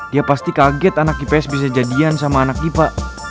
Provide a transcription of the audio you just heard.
dia pasti kaget anak ips bisa jadian sama anak dipa